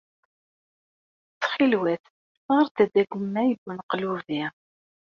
Ttxilwat, ɣret-d agemmay buneqlubi.